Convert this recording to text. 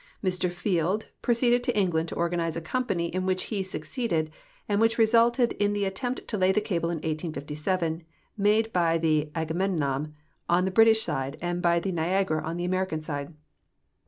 Mr Field proceeded to England to organize a company, in Avhich he succeeded, and AA'hich resulted in the attempt to lay the cable in 1857, made by the Agamemnon on the British side and by the Niagara on the American side.